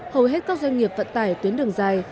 hầu hết các doanh nghiệp vận tải tuyến đường dài